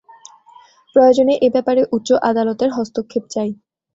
প্রয়োজনে এ ব্যাপারে উচ্চ আদালতের হস্তক্ষেপ চাই।